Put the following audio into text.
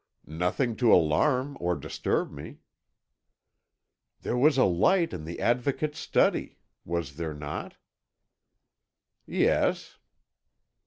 "Nothing to alarm or disturb me." "There was a light in the Advocate's study, was there not?" "Yes."